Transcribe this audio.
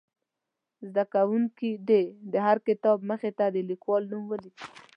زده کوونکي دې د هر کتاب مخ ته د لیکوال نوم ولیکي.